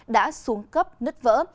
đã xuống cấp nứt vỡ